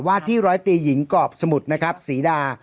ที่ร้อยตีหญิงกรอบสมุทรนะครับศรีดา